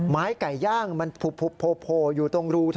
ไม้ไก่ย่างมันโผล่อยู่ตรงรู